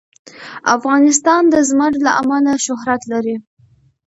افغانستان د زمرد له امله شهرت لري.